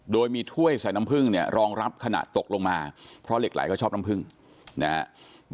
โดยมีถ้วยใส่น้ำผึ้งเนี่ยรองรับขณะตกลงมาเพราะเหล็กไหลเขาชอบน้ำผึ้งนะครับ